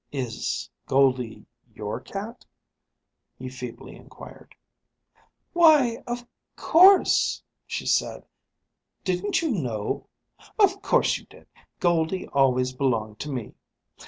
"Is Goldie your cat?" he feebly inquired. "Why, of course?" she said. "Didn't you know? Of course you did! Goldie always belonged to me.